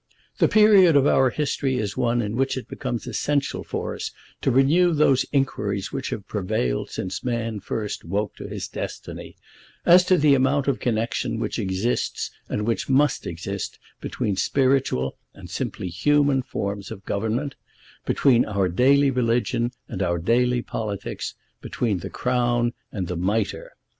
"The period of our history is one in which it becomes essential for us to renew those inquiries which have prevailed since man first woke to his destiny, as to the amount of connection which exists and which must exist between spiritual and simply human forms of government, between our daily religion and our daily politics, between the Crown and the Mitre."